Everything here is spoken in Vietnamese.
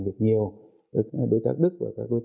đất nước rất là thanh bình